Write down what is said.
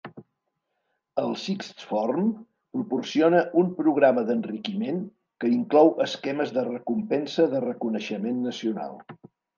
El Sixth Form proporciona un programa d'enriquiment, que inclou esquemes de recompensa de reconeixement nacional.